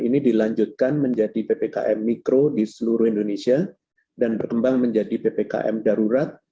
ini dilanjutkan menjadi ppkm mikro di seluruh indonesia dan berkembang menjadi ppkm darurat